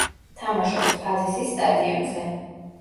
თამაშობს „ფაზისის“ სტადიონზე.